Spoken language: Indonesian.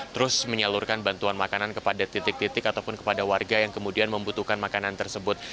terus menyalurkan bantuan makanan kepada titik titik ataupun kepada warga yang kemudian membutuhkan makanan tersebut